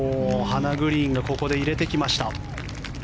ハナ・グリーンがここで入れてきました。